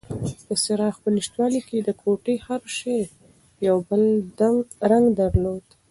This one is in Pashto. د څراغ په نشتوالي کې د کوټې هر شی یو بل رنګ درلود.